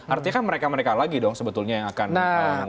artinya kan mereka mereka lagi dong sebetulnya yang akan